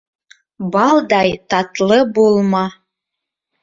Балдай татлы булма.